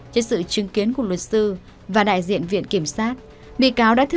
trên sự chứng kiến của luật sư và đại diện viện kiểm soát